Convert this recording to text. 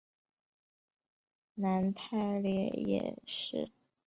南泰利耶市是瑞典中东部斯德哥尔摩省的一个自治市。